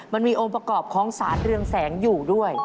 มันมีองค์ประกอบของสารเรืองแสงอยู่ด้วย